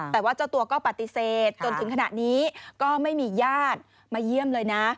แต่ว่าเจ้าตัวก็ปฏิเสธจนถึงขณะนี้ก็ไม่มีญาติมาเยี่ยมเลยนะ